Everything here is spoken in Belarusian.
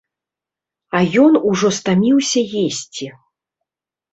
А ён ужо стаміўся есці!